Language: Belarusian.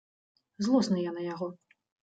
Злосны я на яго.